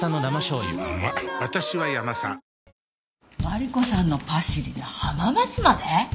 マリコさんのパシリで浜松まで？